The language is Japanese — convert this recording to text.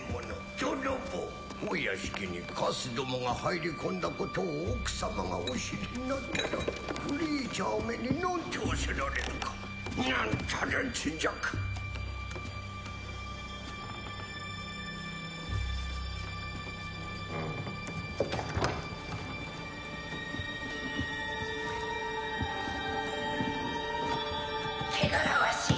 泥棒お屋敷にカスどもが入り込んだことを奥様がお知りになったらクリーチャーめに何と仰せられるか何たる恥辱けがらわしい